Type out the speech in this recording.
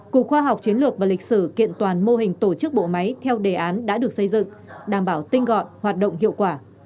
cục khoa học chiến lược và lịch sử kiện toàn mô hình tổ chức bộ máy theo đề án đã được xây dựng đảm bảo tinh gọn hoạt động hiệu quả